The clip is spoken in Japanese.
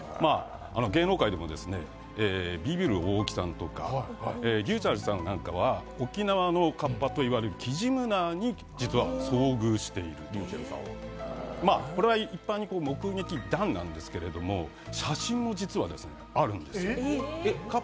芸能界でもビビる大木さんとかりゅうちぇるさんなんかは、沖縄のかっぱといわれるキジムナーに、実は遭遇したそうで、これは一般に目撃談なんですけど写真が実はあるんです。